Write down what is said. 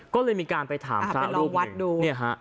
ก็เลยมีการไปถามพระรูปหนึ่ง